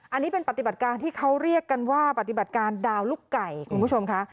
อันนี้เป็นปฏิบัติการที่เขาเรียกกันว่าปฏิบัติการดาวลูกไก่คุณผู้ชมค่ะ